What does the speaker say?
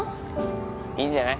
いいんじゃない？